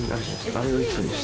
あれを１分です。